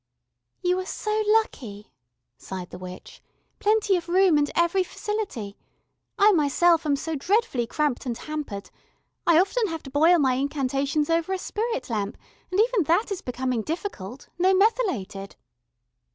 "You are so lucky," sighed the witch, "plenty of room and every facility. I myself am so dreadfully cramped and hampered. I often have to boil my incantations over a spirit lamp, and even that is becoming difficult no methylated."